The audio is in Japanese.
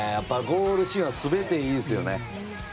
ゴールシーンは全ていいですよね。